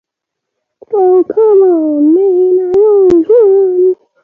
That is the emergency stop switch.